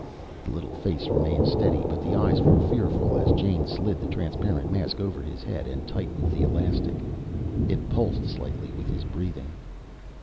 The little face remained steady but the eyes were fearful as Jane slid the transparent mask over his head and tightened the elastic. It pulsed slightly with his breathing.